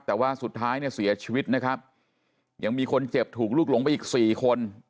แต่ว่าสุดท้ายเนี่ยเสียชีวิตนะครับยังมีคนเจ็บถูกลูกหลงไปอีกสี่คน